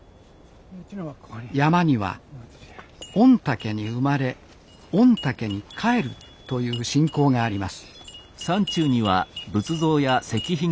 山には「御嶽に生まれ御嶽にかえる」という信仰があります